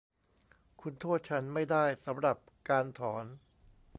คุณโทษฉันไม่ได้สำหรับการถอน